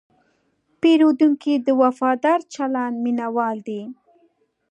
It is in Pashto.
پیرودونکی د وفادار چلند مینهوال دی.